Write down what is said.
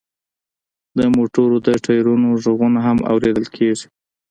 د موټرو د ټیرونو غږونه هم اوریدل کیږي